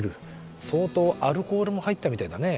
相当アルコールも入ったみたいだね。